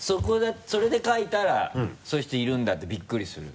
それでかいたらそういう人いるんだってびっくりする。